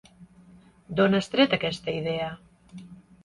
D'on has tret aquesta idea?